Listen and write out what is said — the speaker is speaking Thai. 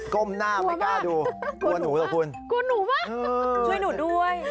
กลัวหนูเหรอคุณกลัวหนูมากช่วยหนูด้วย